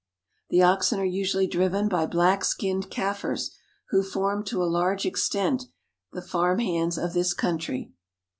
The oxen are usually driven by black skinned I I Kaffirs, who form to a targe extent the farm hands of this 1 ■.country.